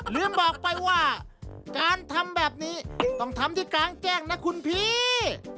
ลืมบอกไปว่าการทำแบบนี้ต้องทำที่กลางแจ้งนะคุณพี่